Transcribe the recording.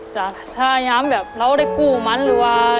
จ้ะถ้าย้ำแบบเราได้กู้มันหรือว่า